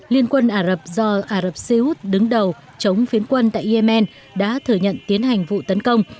liên quân ả rập do ả rập xê út đứng đầu chống phiến quân tại yemen đã thừa nhận tiến hành vụ tấn công